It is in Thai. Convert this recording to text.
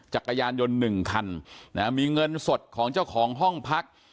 จักรยานยนต์หนึ่งคันมีเงินสดของเจ้าของห้องพัก